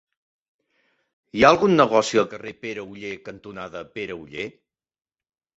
Hi ha algun negoci al carrer Pere Oller cantonada Pere Oller?